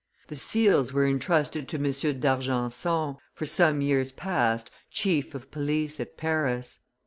The seals were intrusted to M. d'Argenson, for some years past chief of police at Paris.